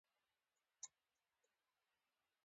دا کار پر همدې اندازه له زیانه هم ډک دی